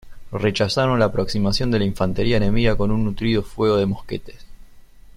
Rechazaron la aproximación de la infantería enemiga con un nutrido fuego de mosquetes.